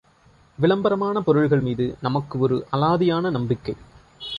விளம்பரமான பொருள்கள் மீது நமக்கு ஒரு அலாதியான நம்பிக்கை!